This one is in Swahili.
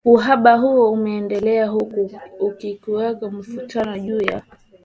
uhaba huo umeendelea huku kukiwepo mivutano juu ya